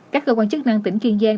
các cơ quan chức năng tỉnh kiên giang